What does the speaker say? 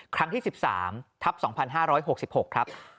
ครั้งที่๑๓ทัพ๒๕๖๖ครับ